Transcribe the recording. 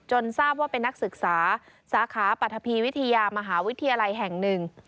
ทราบว่าเป็นนักศึกษาสาขาปรัฐภีวิทยามหาวิทยาลัยแห่งหนึ่ง